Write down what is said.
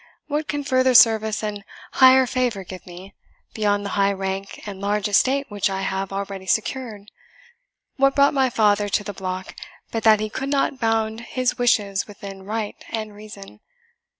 What can further service and higher favour give me, beyond the high rank and large estate which I have already secured? What brought my father to the block, but that he could not bound his wishes within right and reason?